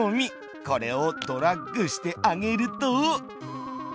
これをドラッグしてあげると。